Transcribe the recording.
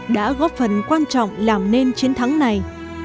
đã góp phần quan trọng làm nên chiến thắng này